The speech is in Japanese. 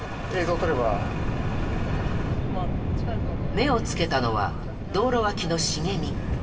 目をつけたのは道路脇の茂み。